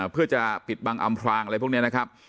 เพื่อจะปิดบังอำพรางอะไรพวกนี้นะครับ